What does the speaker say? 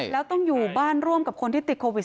แล้วต้องอยู่บ้านร่วมกับคนที่ติดโควิด๑